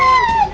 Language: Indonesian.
aduh takut nih